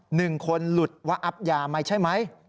หนึ่งคนหลุดว่าอับยาไหมใช่ไหม